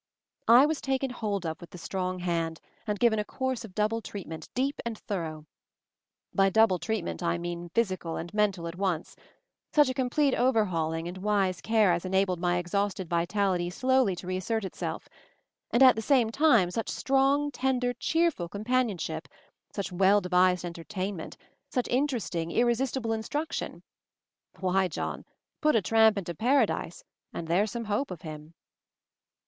I was taken hold of with the strong hand, and given a course of double treatment, deep and thorough. By double treatment I mean physical and men tal at once ; such a complete overhauling and wise care as enabled my exhausted vitality slowly to reassert itself, and at the same time such strong tender cheerful companion ship, such well devised entertainment, such interesting, irresistible instruction — Why, John — put a tramp into Paradise, and there's some hope of him."